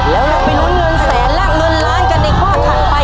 แล้วเราไปลุ้นเงินแสนและเงินล้านกันในข้อถัดไป